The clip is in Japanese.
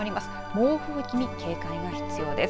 猛吹雪に警戒が必要です。